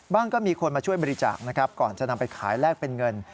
ก็มีคนมาช่วยบริจาคนะครับก่อนจะนำไปขายแลกเป็นเงิน